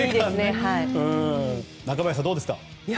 中林さん、どうですか？